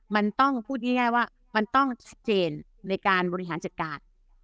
มันต้องพูดง่ายว่ามันต้องชัดเจนในการบริหารจัดการ